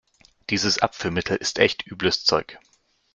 Dieses Abführmittel ist echt übles Zeug.